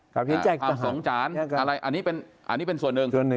ความสงจานอะไรอันนี้เป็นส่วนหนึ่ง